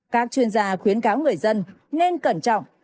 các chuyên gia khuyến cáo người dân nên cẩn trọng